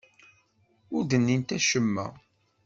Ur d-nnint acemma.